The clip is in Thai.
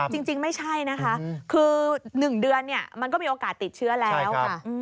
จริงไม่ใช่นะคะคือ๑เดือนมันก็มีโอกาสติดเชื้อแล้ว